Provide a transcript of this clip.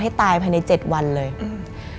มันกลายเป็นรูปของคนที่กำลังขโมยคิ้วแล้วก็ร้องไห้อยู่